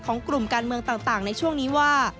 กลุ่มการเมืองต่างในช่วงนี้ว่า